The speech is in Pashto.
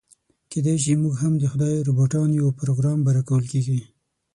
کيداشي موږ هم د خدای روباټان يو او پروګرام به راکول کېږي.